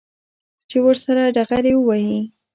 چې ورسره ډغرې ووهي.